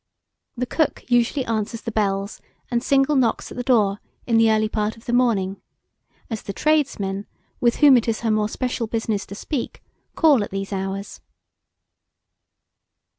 The cook usually answers the bells and single knocks at the door in the early part of the morning, as the tradesmen, with whom it is her more special business to speak, call at these hours.